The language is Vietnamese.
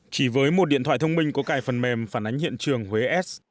chỉ với một điện thoại thông minh có cải phần mềm phản ánh hiện trường huế s